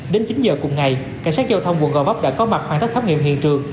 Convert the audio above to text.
đến chín giờ cùng ngày cảnh sát giao thông quận gò vấp đã có mặt hoàn tất khám nghiệm hiện trường